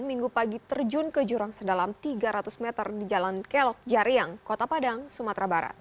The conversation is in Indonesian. minggu pagi terjun ke jurang sedalam tiga ratus meter di jalan kelok jariang kota padang sumatera barat